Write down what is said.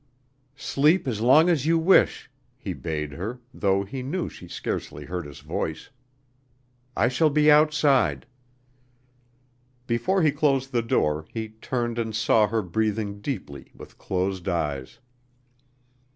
"Sleep as long as you wish," he bade her, though he knew she scarcely heard his voice. "I shall be outside." Before he closed the door he turned and saw her breathing deeply with closed eyes.